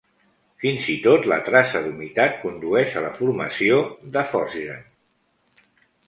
Fins i tot la traça d'humitat condueix a la formació de fosgen.